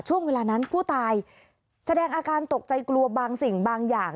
ช่วงเวลานั้นผู้ตายแสดงอาการตกใจกลัวบางสิ่งบางอย่าง